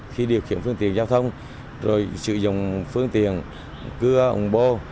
khi điều khiển phương tiện giao thông rồi sử dụng phương tiện cưa ủng bô